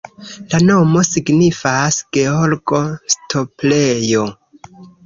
La nomo signifas: Georgo-stoplejo.